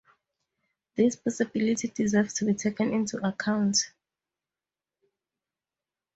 This possibility deserves to be taken into account.